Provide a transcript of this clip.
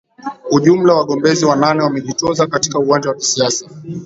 ujumla wagombezi wanane wamejitoza katika uwanja wa kisiasa